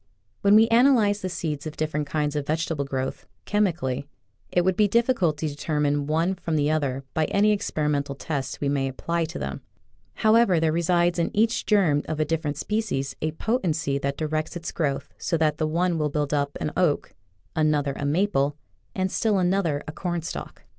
When we analyze the seeds of different kinds of vegetable growth, chemically, it would be difficult to determine one from the other by any experimental test we may apply to them. However, there resides in each germ of a different species a potency that directs its growth so that the one will build up an oak, another a maple, and still another a cornstalk.